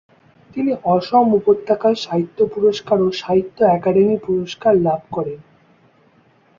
তিনি অসম উপত্যকা সাহিত্য পুরস্কার ও সাহিত্য অকাদেমি পুরস্কার লাভ করেছেন।